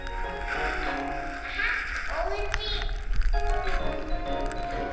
アハッおうち。